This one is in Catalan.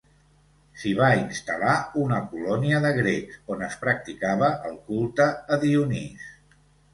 S'hi va instal·lar una colònia de grecs on es practicava el culte a Dionís.